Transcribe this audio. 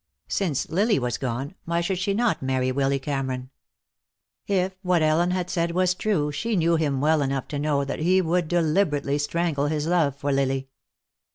Since Lily was gone, why should she not marry Willy Cameron? If what Ellen had said was true she knew him well enough to know that he would deliberately strangle his love for Lily.